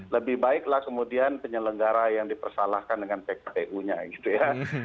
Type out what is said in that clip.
lebih baiklah kemudian penyelenggara yang dipersalahkan dengan pkpu nya gitu ya